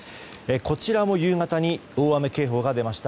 こちらも夕方に大雨警報が出ました。